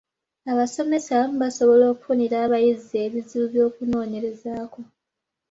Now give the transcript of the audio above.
Abasomesa abamu basobola okufunira abayizi ebizibu by’okunoonyerezaako.